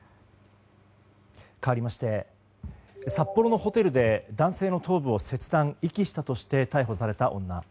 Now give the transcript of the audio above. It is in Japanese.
かわりまして、札幌のホテルで男性の頭部を切断・遺棄したとして逮捕された女。